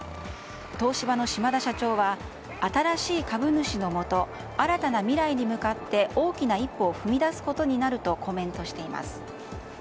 東芝の島田社長は新しい株主のもと新たな未来に向かって大きな一歩を踏み出すことになるとコメントしています。